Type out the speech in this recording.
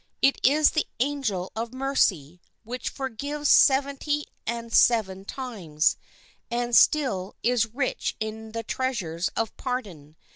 It is the angel of mercy, which forgives seventy and seven times, and still is rich in the treasures of pardon.